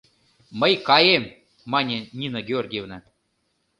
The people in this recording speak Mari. — Мый каем, — мане Нина Георгиевна.